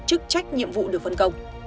chức trách nhiệm vụ được phân công